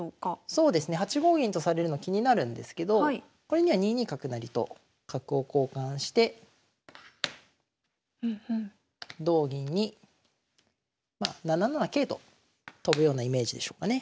そうですね８五銀とされるの気になるんですけどこれには２二角成と角を交換して同銀に７七桂と跳ぶようなイメージでしょうかね。